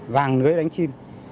vàng lưới đánh chim